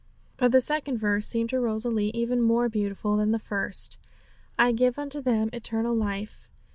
But the second verse seemed to Rosalie even more beautiful than the first: 'I give unto them eternal life.'